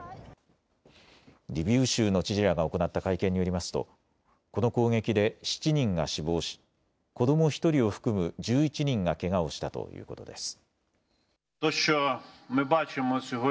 リビウ州の知事らが行った会見によりますとこの攻撃で７人が死亡し子ども１人を含む１１人がけがをしたということです。